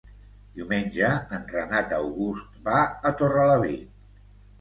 Diumenge en Renat August va a Torrelavit.